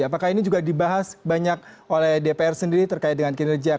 apakah ini juga dibahas banyak oleh dpr sendiri terkait dengan kinerja kpk di dua ribu enam belas